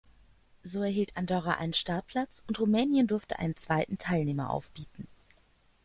So erhielt Andorra einen Startplatz, und Rumänien durfte einen zweiten Teilnehmer aufbieten.